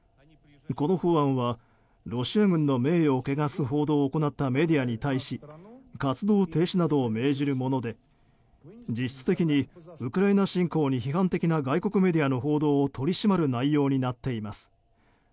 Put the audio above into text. この法案は、ロシア軍の名誉を汚す報道を行ったメディアに対し活動停止などを命じるもので実質的にウクライナ侵攻に批判的な外国メディアの報道を取り締まる内容になっています。